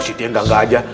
posisi yang gangga aja